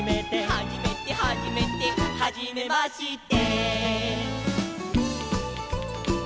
「はじめてはじめて」「はじめまして」